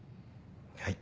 はい？